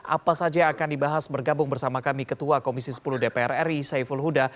apa saja yang akan dibahas bergabung bersama kami ketua komisi sepuluh dpr ri saiful huda